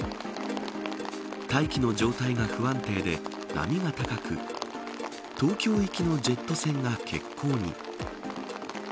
大気の状態が不安定で波が高く東京行きのジェット船が欠航に。